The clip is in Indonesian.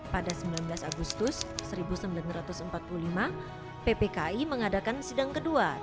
pada sembilan belas agustus seribu sembilan ratus empat puluh lima ppki mengadakan sidang kedua